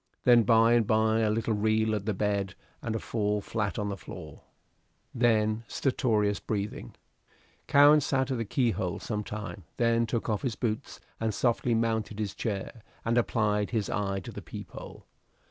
Then by and by a little reel at the bed and a fall flat on the floor. Then stertorous breathing. Cowen sat still at the keyhole some time, then took off his boots and softly mounted his chair, and applied his eye to the peep hole.